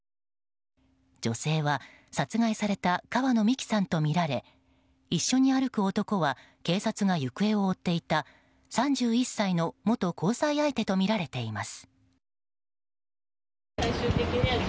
女性は殺害された川野美樹さんとみられ一緒に歩く男は警察が行方を追っていた３１歳の元交際相手とみられています。